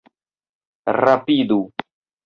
Rapidu!